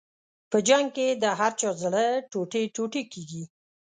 په جنګ کې د هر چا زړه ټوټې ټوټې کېږي.